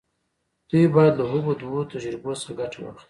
دوی بايد له هغو دوو تجربو څخه ګټه واخلي.